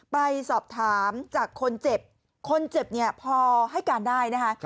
ไปสอบถามจากคนเจ็บคนเจ็บเนี่ยพอให้การได้นะคะ